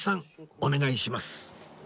お願いします